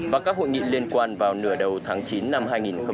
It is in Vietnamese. và các hội nghị liên quan vào nửa đầu tháng chín năm hai nghìn hai mươi